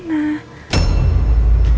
untuk dapetin reina